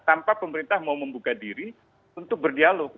tanpa pemerintah mau membuka diri untuk berdialog